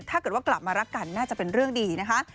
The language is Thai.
ถ้าเกิดว่ากลับมารักกันน่าจะเป็นเรื่องดีนะคะ